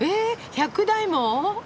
１００台も！？